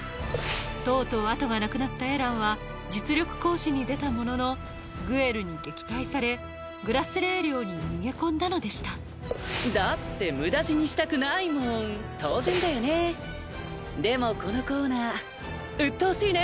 とうとう後がなくなったエランは実力行使に出たもののグエルに撃退されグラスレー寮に逃げ込んだのでしただって無駄死にしたくないもん当然だよねでもこのコーナーうっとうしいね！